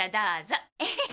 エヘヘ！